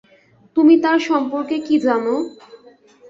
তুমি তার সম্পর্কে কি জানো?